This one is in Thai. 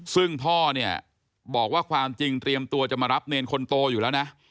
ซึ่งพ่อเนี่ยบอกว่าความจริงเตรียมตัวจะมารับเนรคนโตอยู่แล้วนะ